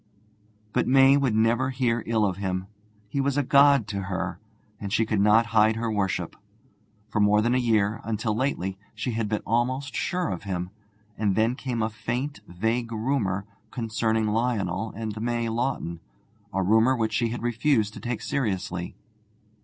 But May would never hear ill of him; he was a god to her, and she could not hide her worship. For more than a year, until lately, she had been almost sure of him, and then came a faint vague rumour concerning Lionel and May Lawton, a rumour which she had refused to take seriously.